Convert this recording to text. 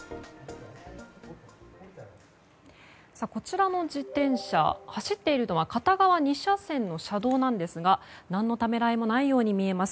こちらの自転車走っているのは片側２車線の車道なんですが何のためらいもないように見えます。